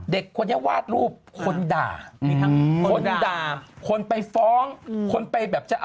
เด็กคนนี้วาดรูปคนด่า